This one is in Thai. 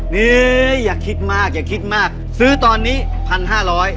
นี่อย่าคิดมากอย่าคิดมากซื้อตอนนี้พันห้าร้อย